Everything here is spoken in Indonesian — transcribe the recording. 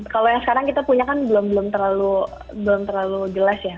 kalau yang sekarang kita punya kan belum terlalu jelas ya